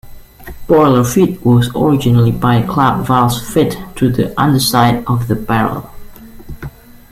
Boiler feed was originally by clack valves fitted to the underside of the barrel.